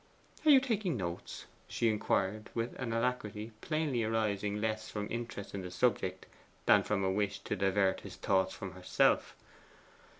'Are you taking notes?' she inquired with an alacrity plainly arising less from interest in the subject than from a wish to divert his thoughts from herself.